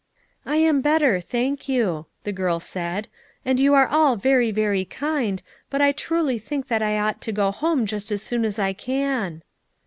"I am better, thank you," the girl said, "and you are all very, very kind, but I truly think that I ought to go home just as soon as I can."